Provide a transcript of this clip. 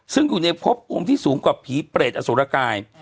ซึ่งอยู่ในพบองค์ที่สูงกว่าผีเปรตอสุรกาย